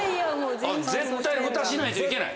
絶対フタしないといけない？